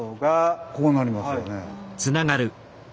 こうなりますよね。